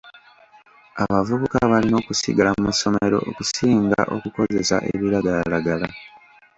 Abavubuka balina okusigala mu ssomero okusinga okukozesa ebiragalalagala.